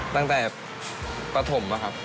ตั้งแต่ประถมอะครับ